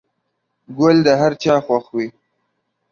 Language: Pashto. گل د هر چا خوښ وي.